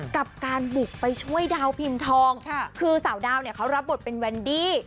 กับการบุกไปช่วยดาวพิมพ์ทองคือสาวดาวเนี่ยเขารับบทเป็นแวนดี้